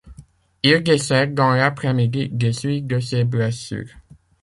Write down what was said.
Il décède dans l'après-midi des suites de ses blessures.